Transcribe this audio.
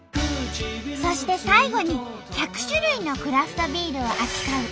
そして最後に１００種類のクラフトビールを扱うお店の店長さんに